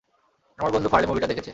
আমার বন্ধু ফার্লে মুভিটা দেখেছে।